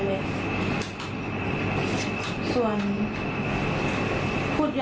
อันดับที่สุดท้าย